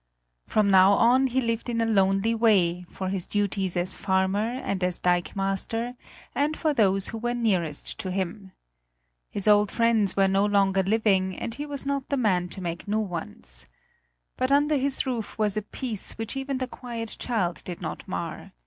From now on he lived in a lonely way for his duties as farmer and as dikemaster and for those who were nearest to him. His old friends were no longer living, and he was not the man to make new ones. But under his roof was a peace which even the quiet child did not mar.